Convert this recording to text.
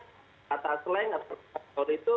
kata slang atau kata kata kori itu